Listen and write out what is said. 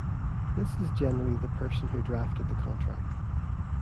This is generally the person who drafted the contract.